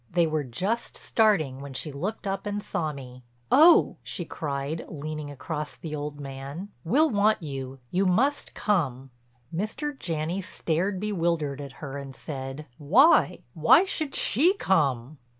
They were just starting when she looked up and saw me. "Oh," she cried, leaning across the old man, "we'll want you—you must come." Mr. Janney stared bewildered at her and said: "Why—why should she come?"